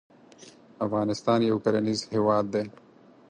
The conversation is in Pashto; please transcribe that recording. افغانستان یو کرنیز هیواد دی